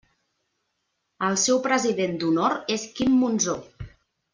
El seu president d'honor és Quim Monzó.